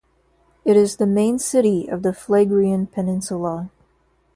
It is the main city of the Phlegrean Peninsula.